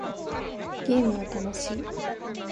ゲームは楽しい